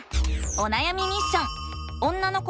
おなやみミッション！